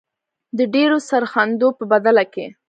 د ډیرو سرښندنو په بدله کې.